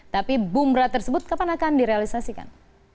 tapi bumra tersebut kapan akan direalisasikan